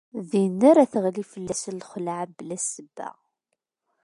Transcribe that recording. Dinna ara d-teɣli fell-asen lxelɛa, mebla ssebba.